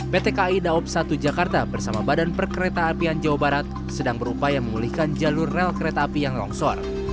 pt kai daob satu jakarta bersama badan perkereta apian jawa barat sedang berupaya memulihkan jalur rel kereta api yang longsor